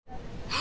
あ！